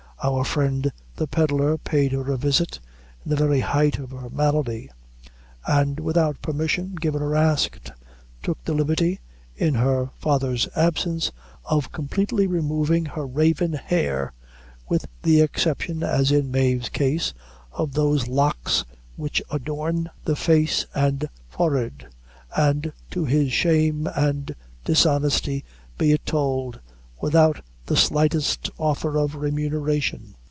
Our friend, the pedlar, paid her a visit in the very height of her malady, and without permission, given or asked, took the liberty, in her father's absence, of completely removing her raven hair, with the exception, as in Mave's case, of those locks which adorn the face and forehead, and, to his shame and dishonesty be it told, without the slightest offer of remuneration.